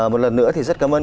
một lần nữa thì rất cảm ơn